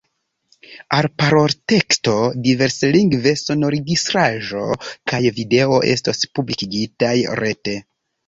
Alparolteksto diverslingve, sonregistraĵo kaj video estos publikigitaj rete.